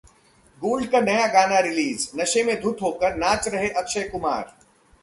gold का नया गाना रिलीज, नशे में धुत होकर नाच रहे अक्षय कुमार